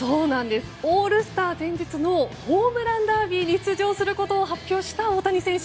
オールスター前日のホームランダービーに出場することを発表した大谷選手。